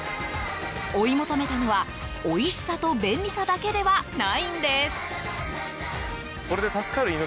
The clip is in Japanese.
追い求めたのは、おいしさと便利さだけではないんです。